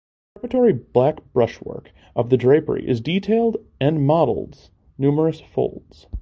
The preparatory black brushwork of the drapery is detailed and models numerous folds.